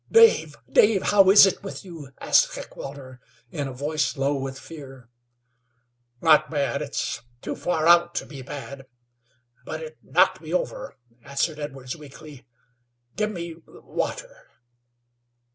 "Dave, Dave, how is it with you?" asked Heckewelder, in a voice low with fear. "Not bad. It's too far out to be bad, but it knocked me over," answered Edwards, weakly. "Give me water."